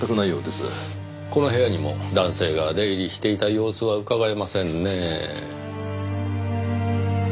この部屋にも男性が出入りしていた様子はうかがえませんねぇ。